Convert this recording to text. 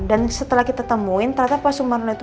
dan setelah kita temuin ternyata pak sumarno itu